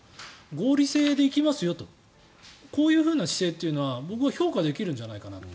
合理性で行きますよとこういう姿勢というのは僕は評価できるんじゃないかなと。